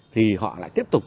thì họ lại tiếp tục